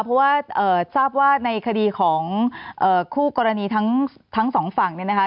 เพราะว่าทราบว่าในคดีของคู่กรณีทั้งสองฝั่งเนี่ยนะคะ